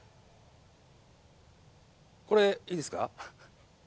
これいいですか？